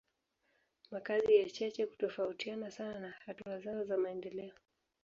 Makazi ya cheche hutofautiana sana na hatua zao za maendeleo.